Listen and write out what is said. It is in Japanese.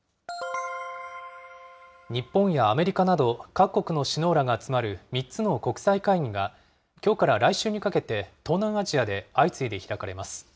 日本やアメリカなど、各国の首脳らが集まる３つの国際会議が、きょうから来週にかけて、東南アジアで相次いで開かれます。